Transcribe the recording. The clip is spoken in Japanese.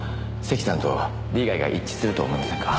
関さんと利害が一致すると思いませんか？